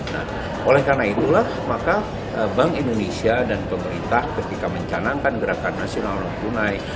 nah oleh karena itulah maka bank indonesia dan pemerintah ketika mencanangkan gerakan nasional non tunai